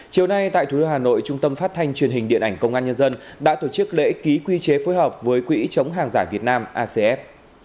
chiều nay tại thủ đô hà nội trung tâm phát thanh truyền hình điện ảnh công an nhân dân đã tổ chức lễ ký quy chế phối hợp với quỹ chống hàng giả việt nam acf